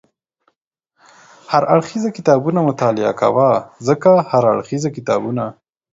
هر اړخیز کتابونه مطالعه کوه، ځکه هر اړخیز کتابونه